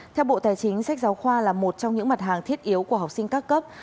theo bộ tài chính sách giáo khoa là một trong những mặt hàng thiết yếu của học sinh các cấp